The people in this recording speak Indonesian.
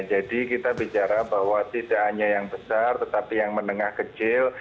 jadi kita bicara bahwa tidak hanya yang besar tetapi yang menengah kecil